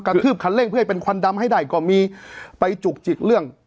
ทืบคันเร่งเพื่อให้เป็นควันดำให้ได้ก็มีไปจุกจิกเรื่อง